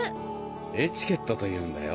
「エチケット」というんだよ。